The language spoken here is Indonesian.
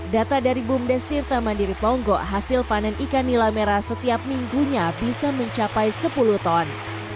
data dari bumdes tirta mandiri ponggo hasil panen ikan nila merah setiap minggunya bisa mencapai sepuluh ton